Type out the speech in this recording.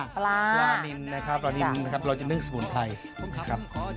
ปลามินนะครับเราจะนึงสมุนไพร